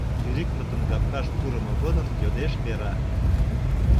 — Юрикмытын капкаш пурымо годым йодеш Вера.